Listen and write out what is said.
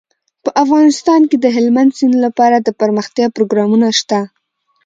په افغانستان کې د هلمند سیند لپاره د پرمختیا پروګرامونه شته.